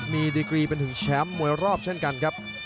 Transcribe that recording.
มีดีกรีเป็นถึงแชมป์มวยรอบเช่นกันครับ